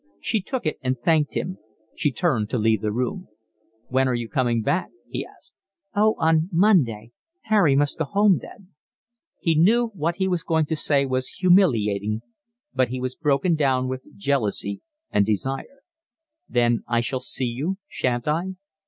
She took it and thanked him. She turned to leave the room. "When are you coming back?" he asked. "Oh, on Monday. Harry must go home then." He knew what he was going to say was humiliating, but he was broken down with jealousy and desire. "Then I shall see you, shan't I?"